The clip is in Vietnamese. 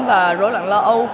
và rối loạn lo âu